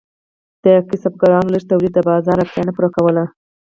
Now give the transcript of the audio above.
د کسبګرانو لږ تولید د بازار اړتیا نه پوره کوله.